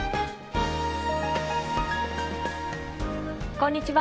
こんにちは。